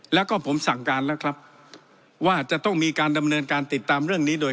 แล้วก็ผมสั่งการแล้วครับว่าจะต้องมีการดำเนินการติดตามเรื่องนี้โดย